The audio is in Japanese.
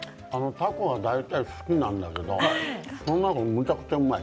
たこは大体好きなんだけどむちゃくちゃうまい。